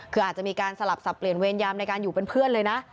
คืออาจจะมีการสลับสับเปลี่ยนเวรยามในการอยู่เป็นเพื่อนเลยนะ